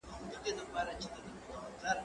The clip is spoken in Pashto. هغه څوک چي پاکوالي ساتي منظم وي،